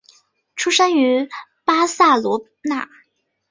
出生于巴塞罗那。